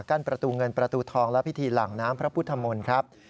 ประตูเงินประตูทองและพิธีหลังน้ำพระพุทธมนต์ครับ